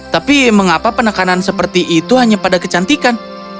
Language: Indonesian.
tapi mengapa penekanan seperti itu hanya pada kecantikan